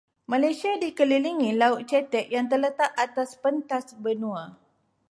Malaysia dikelilingi laut cetek yang terletak atas pentas benua.